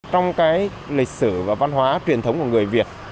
trong cái lịch sử và văn hóa truyền thống của người việt